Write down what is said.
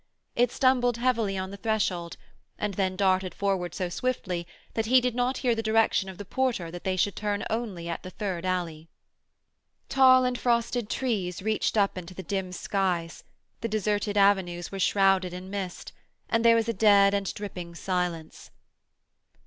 It stumbled heavily on the threshold, and then darted forward so swiftly that he did not hear the direction of the porter that they should turn only at the third alley. Tall and frosted trees reached up into the dim skies, the deserted avenues were shrouded in mist, and there was a dead and dripping silence.